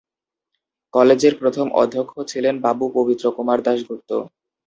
কলেজের প্রথম অধ্যক্ষ ছিলেন বাবু পবিত্র কুমার দাস গুপ্ত।